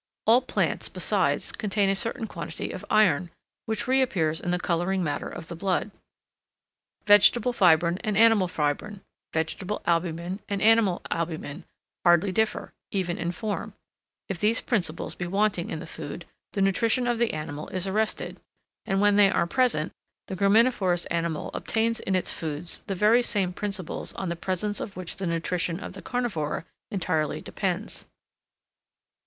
All plants, besides, contain a certain quantity of iron, which reappears in the colouring matter of the blood. Vegetable fibrine and animal fibrine, vegetable albumen and animal albumen, hardly differ, even in form; if these principles be wanting in the food, the nutrition of the animal is arrested; and when they are present, the graminivorous animal obtains in its food the very same principles on the presence of which the nutrition of the carnivora entirely depends.